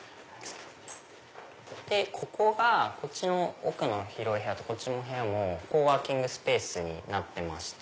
ここがこっちの奥の広い部屋とこっちの部屋もコワーキングスペースになってまして。